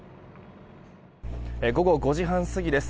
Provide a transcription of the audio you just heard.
午後５時半過ぎです。